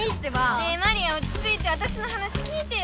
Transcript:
ねえマリアおちついてわたしの話聞いてよ。